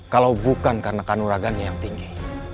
kalau bukan karena kanuragannya yang tinggi